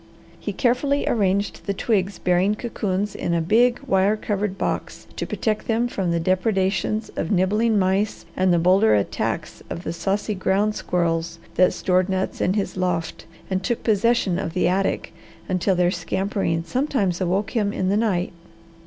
He carefully arranged the twigs bearing cocoons in a big, wire covered box to protect them from the depredations of nibbling mice and the bolder attacks of the saucy ground squirrels that stored nuts in his loft and took possession of the attic until their scampering sometimes awoke him in the night.